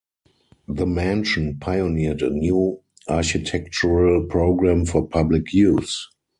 The mansion pioneered a new architectural program for public use.